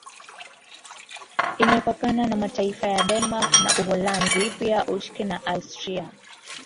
Imepakana na mataifa ya Denmark na Uholanzi pia Uchki na Austria